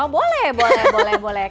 boleh boleh boleh